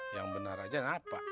yang benar aja kenapa